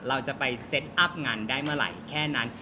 เราจะไปเซตอัพงานได้เมื่อไหร่แค่นั้น